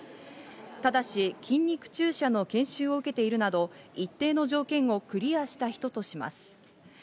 ただし、筋肉注射の研修を受けているなど一定の条件をクリアした人とします。